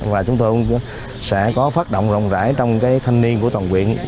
và chúng tôi cũng sẽ có phát động rộng rãi trong thanh niên của toàn quyện